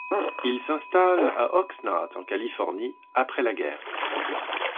Il s'installe à Oxnard en Californie après la guerre.